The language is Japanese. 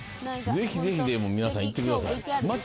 ぜひ皆さん、行ってください。